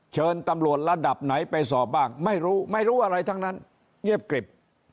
เชิญตำรวจระดับไหนไปสอบบ้างไม่รู้ไม่รู้อะไรทั้งนั้นเงียบกริบ